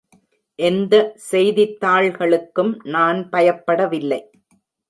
எந்த செய்தித்தாள்களுக்கும் நான் பயப்படவில்லை.